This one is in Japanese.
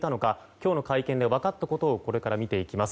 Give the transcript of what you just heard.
今日の会見で分かったことをこれから見ていきます。